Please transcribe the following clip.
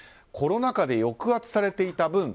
コロナ禍で抑圧されていた分